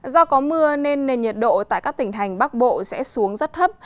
do có mưa nên nền nhiệt độ tại các tỉnh thành bắc bộ sẽ xuống rất thấp